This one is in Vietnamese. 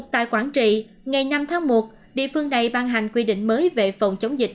một mươi một tại quảng trị ngày năm tháng một địa phương này ban hành quy định mới về phòng chống dịch